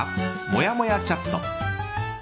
もやもやチャット。